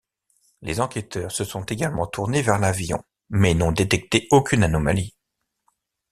Les enquêteurs se sont également tournés vers l'avion, mais n'ont détecté aucune anomalie.